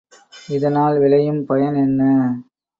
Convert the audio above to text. இதனால் விளையும் பயன் என்ன?